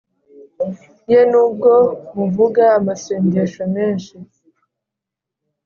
Ye nubwo muvuga amasengesho menshi